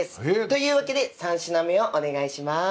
というわけで三品目をお願いします。